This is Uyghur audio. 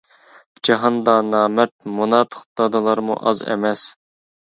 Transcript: جاھاندا نامەرد، مۇناپىق دادىلارمۇ ئاز ئەمەس.